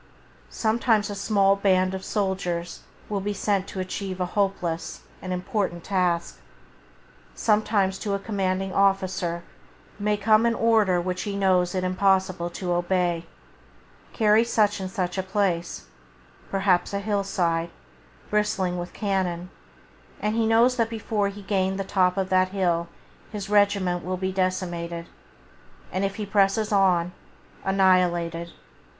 Sometimes a small band of soldiers will be sent to achieve a hopeless, an impossible task. Sometimes to a commanding officer may come an order which he knows it impossible to obey: "Carry such and such a place" — perhaps a hill side, bristling with cannon, and he knows that before he can gain the top of that hill his regiment will be decimated, and, if he presses on, annihilated.